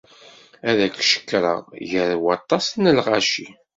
Ad ak-cekkreɣ ger waṭas n lɣaci.